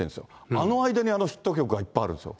あの間にヒット曲がいっぱいあるんですよ。